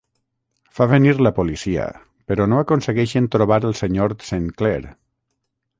Fa venir la policia, però no aconsegueixen trobar el senyor Saint Clair.